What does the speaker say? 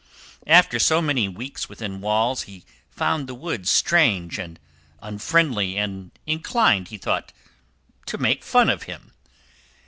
After so many weeks within walls, he found the wood strange and unfriendly and inclined, he thought, to make fun of him.